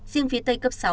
riêng phía tây cấp sáu